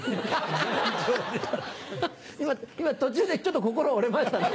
今途中でちょっと心折れましたね。